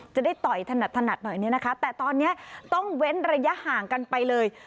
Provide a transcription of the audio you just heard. จะได้ต่อยถนัดหน่อยเนี่ยนะคะแต่ตอนนี้ต้องเว้นระยะห่างกันไปเลย